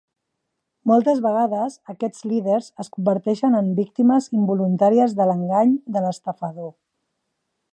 Moltes vegades, aquests líders es converteixen en víctimes involuntàries de l'engany de l'estafador.